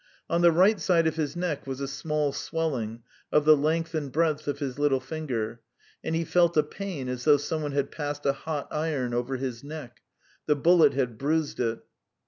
On the right side of his neck was a small swelling, of the length and breadth of his little finger, and he felt a pain, as though some one had passed a hot iron over his neck. The bullet had bruised it.